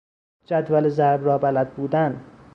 جدول ضرب را بلد بودن